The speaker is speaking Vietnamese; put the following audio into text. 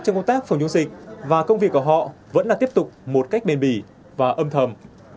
trong công tác phòng chống dịch và công việc của họ vẫn là tiếp tục một cách bền bỉ và âm thầm